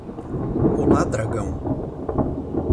Olá dragão